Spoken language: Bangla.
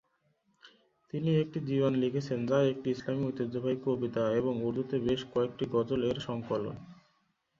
তিনি একটি দিওয়ান লিখেছেন, যা একটি ইসলামী ঐতিহ্যবাহী কবিতা এবং উর্দুতে বেশ কয়েকটি গজল এর সংকলন।